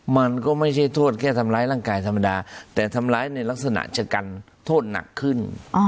มันก็ไม่ใช่โทษแค่ทำร้ายร่างกายธรรมดาแต่ทำร้ายในลักษณะชะกันโทษหนักขึ้น